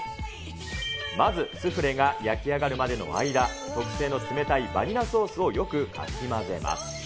まず、スフレが焼き上がるまでの間、特製の冷たいバニラソースをよくかき混ぜます。